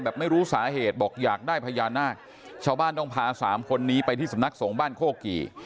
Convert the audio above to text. ไม่รู้สาเหตุบอกอยากได้พญานาคชาวบ้านต้องพาสามคนนี้ไปที่สำนักสงฆ์บ้านโคกี่